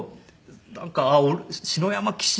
なんか篠山紀信